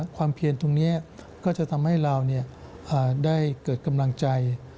เพียนตรงนี้ก็จะทำให้เราได้เกิดกำลังใจ